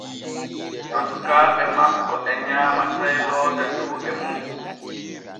To sukaaɓe makko e nyaama sey loota juuɗe mum.